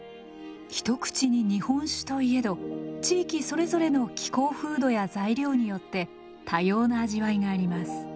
一口に日本酒と言えど地域それぞれの気候風土や材料によって多様な味わいがあります。